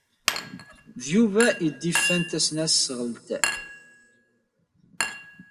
D Yuba ay iyi-d-yefkan tasnasɣalt-a.